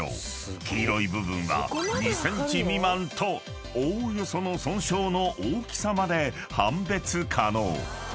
［黄色い部分は２ｃｍ未満とおおよその損傷の大きさまで判別可能］